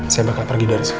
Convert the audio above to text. saya bakal pergi dari sekolah